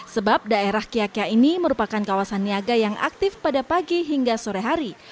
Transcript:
sebab daerah kiyakya ini merupakan kawasan niaga yang aktif pada pagi hingga sore hari